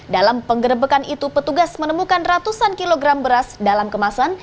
dalam penggerebekan itu petugas menemukan ratusan kilogram beras dalam kemasan